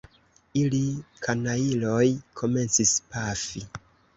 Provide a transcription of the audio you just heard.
Ili, kanajloj, komencis pafi!